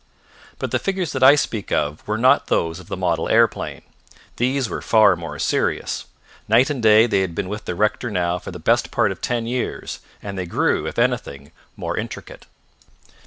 But the figures that I speak of were not those of the model aeroplane. These were far more serious. Night and day they had been with the rector now for the best part of ten years, and they grew, if anything, more intricate.